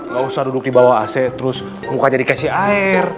gak usah duduk di bawah ac terus mukanya dikasih air